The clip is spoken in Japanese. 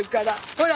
ほら！